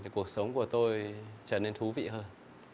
cuộc sống của tôi trở nên thú vị hơn